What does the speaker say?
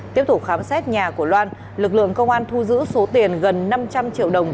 tiếp tục khám xét nhà của loan lực lượng công an thu giữ số tiền gần năm trăm linh triệu đồng